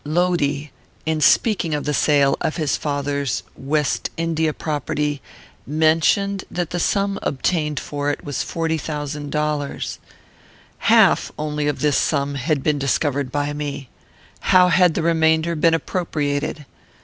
Lodi, in speaking of the sale of his father's West India property, mentioned that the sum obtained for it was forty thousand dollars. Half only of this sum had been discovered by me. How had the remainder been appropriated?